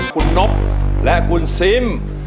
คุณนบและคุณซิม